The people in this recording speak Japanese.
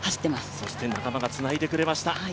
そして仲間がつないでくれました。